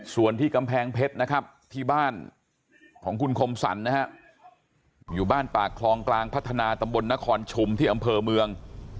ส่วนที่กำแพงเพชรนะครับที่บ้านของคุณคมสรรนะฮะอยู่บ้านปากคลองกลางพัฒนาตำบลนครชุมที่อำเภอเมือง